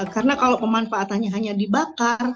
karena kalau pemanfaatannya hanya dibakar